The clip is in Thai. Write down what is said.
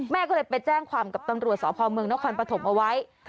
แม่ก็เลยไปแจ้งความกับตำรวจสพเมืองนครปฐมเอาไว้